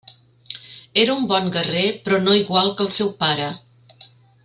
Era un bon guerrer però no igual que el seu pare.